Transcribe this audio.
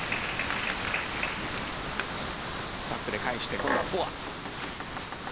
バックで返して今度はフォア。